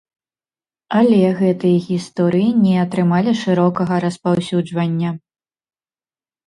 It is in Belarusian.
Але гэтыя гісторыі не атрымалі шырокага распаўсюджвання.